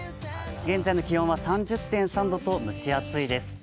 現在の気温は３０．３度と蒸し暑いです。